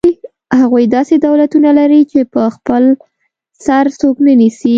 هغوی داسې دولتونه لري چې په خپل سر څوک نه نیسي.